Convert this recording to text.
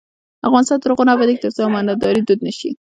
افغانستان تر هغو نه ابادیږي، ترڅو امانتداري دود نشي.